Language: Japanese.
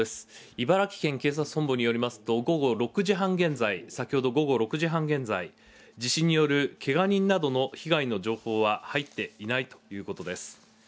茨城県警察本部によりますと、午後６時半現在、先ほど午後６時半現在、地震によるけが人などの被害の情報は入っていないということです。